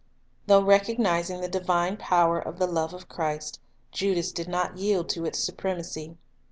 Though recognizing the divine power of the love of Christ, Judas did not yield to its supremacy.